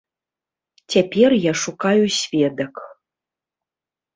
Цяпер я шукаю сведак.